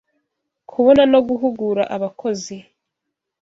kubona no guhugura abakozi